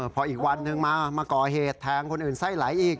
พออีกวันนึงมามาก่อเหตุแทงคนอื่นไส้ไหลอีก